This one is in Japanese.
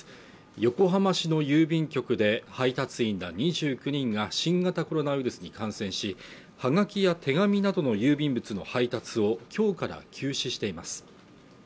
横浜市の郵便局で配達員ら２９人が新型コロナウイルスに感染しはがきや手紙などの郵便物の配達をきょうから休止しています